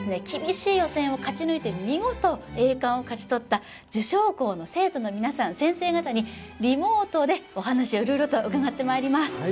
厳しい予選を勝ち抜いて見事栄冠を勝ち取った受賞校の生徒の皆さん先生方にリモートでお話を色々と伺ってまいります